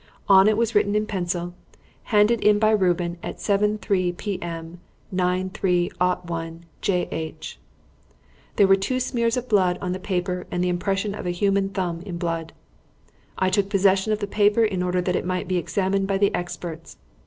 On it was written in pencil, 'Handed in by Reuben at 7.3 p.m. 9.3.01. J.H.' There were two smears of blood on the paper and the impression of a human thumb in blood. I took possession of the paper in order that it might be examined by the experts.